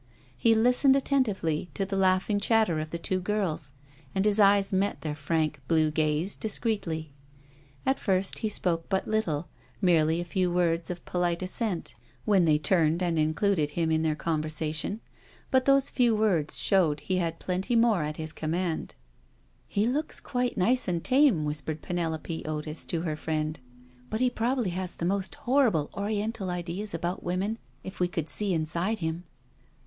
He listened attentively to the laughing chatter of the two girls, and his eyes met their frank, blue gaze discreetly. At first he spoke but little, merely a few words of polite assent when 314 NO SURRENDER they turned and included him in their conversation, but those few words showed he had plenty more at his command •" He looks quite nice and tame/' whispered Penelope Otis to her friend, " but he probably has the most horrible Oriental ideas about women, if we could see inside him.